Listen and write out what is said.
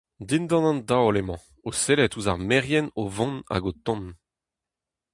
Dindan an daol emañ, o sellet ouzh ar merien o vont hag o tont.